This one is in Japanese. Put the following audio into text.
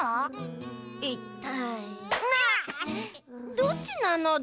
どっちなのだ？